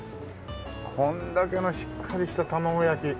こんだけのしっかりした玉子焼。